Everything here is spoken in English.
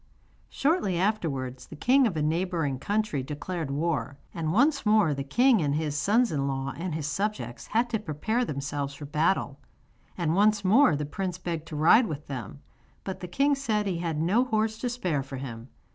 Shortly afterwards the king of a neighbouring country declared war, and once more the king and his sons in law and his subjects had to prepare themselves for battle, and once more the prince begged to ride with them, but the king said he had no horse to spare for him.